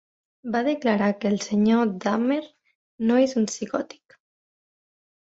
Va declarar que el Sr. Dahmer no és un psicòtic.